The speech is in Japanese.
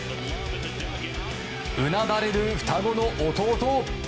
うなだれる双子の弟。